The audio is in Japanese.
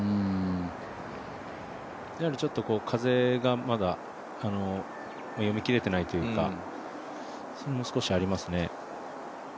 やはりちょっと風がまだ読み切れてないというかそれも少しありますね。